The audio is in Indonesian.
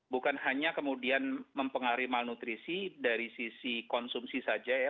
bukan hanya kemudian mempengaruhi malnutrisi dari sisi konsumsi saja ya